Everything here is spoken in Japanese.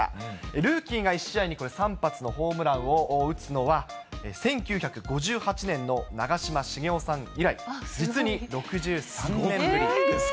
ルーキーが１試合にこれ、３発のホームランを打つのは、１９５８年の長嶋茂雄さん以来、実に６３年ぶり。